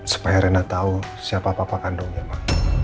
supaya rena tahu siapa papa kandungnya ma